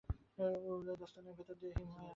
উলের দস্তানা জোড়ার ভেতর হাত হিম হয়ে আসছে।